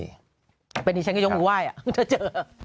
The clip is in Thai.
เป็นอย่างนี้ฉันก็ย้มบุคคลไหว้จะเจอ